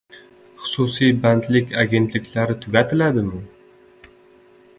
Xususiy bandlik agentliklari tugatiladimi?